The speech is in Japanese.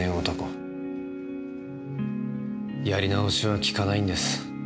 やり直しはきかないんです